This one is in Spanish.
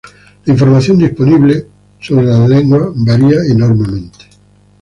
La información disponible sobre las lenguas varía enormemente.